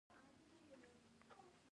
ایا انرژي څښاک څښئ؟